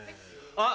あっ！